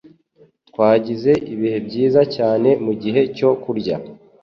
Twagize ibihe byiza cyane mugihe cyo kurya.